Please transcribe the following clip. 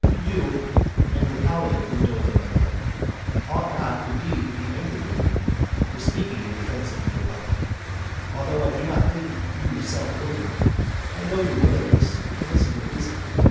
XI. You and your colleague, O Dolabella, ought not, indeed, to be angry with me for speaking in defence of the republic. Although I do not think that you yourself will be; I know your willingness to listen to reason.